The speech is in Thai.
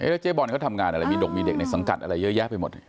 แล้วเจ๊บอลเขาทำงานอะไรมีดกมีเด็กในสังกัดอะไรเยอะแยะไปหมด